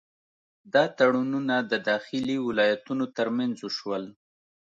دا تړونونه د داخلي ولایتونو ترمنځ وشول.